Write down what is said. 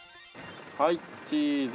はいチーズ。